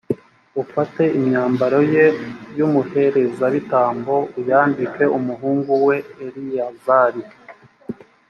ufate imyambaro ye y’umuherezabitambo uyambike umuhungu we eleyazari.